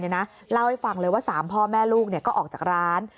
เล่าให้ฟังเลยว่า๓พ่อแม่ลูกก็ออกจากร้าน